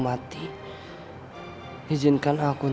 jadi ada anak lah